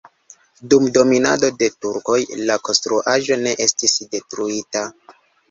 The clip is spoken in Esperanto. Dum dominado de turkoj la konstruaĵo ne estis detruita.